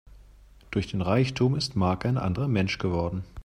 Durch den Reichtum ist Mark ein anderer Mensch geworden.